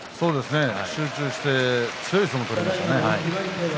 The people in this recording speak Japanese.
集中して強い相撲を取りましたね。